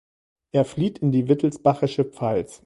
Er flieht in die wittelsbachische Pfalz.